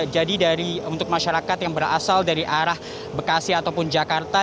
jadi untuk masyarakat yang berasal dari arah bekasi ataupun jakarta